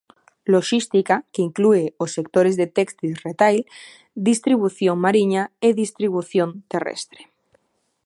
Loxística, que inclúe os sectores de téxtil retail, distribución mariña e distribución terrestre.